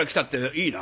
いいな？」。